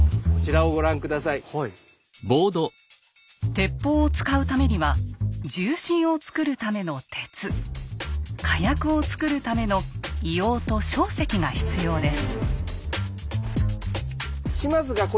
鉄砲を使うためには銃身を作るための「鉄」火薬を作るための「硫黄」と「硝石」が必要です。